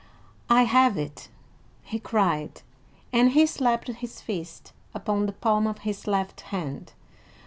"I have it!" he cried, and he slapped his fist upon the palm of his left hand.